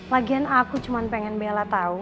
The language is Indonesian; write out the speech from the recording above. lagian aku cuma pengen bella tahu